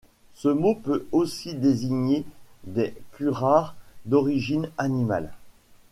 Ce mot peut aussi désigner des curares d'origine animale.